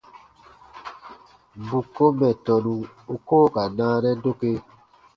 Bù ko mɛ̀ tɔnu u koo ka naanɛ doke.